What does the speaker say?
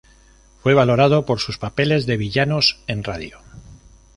Fue valorado por sus papeles de villanos en radio.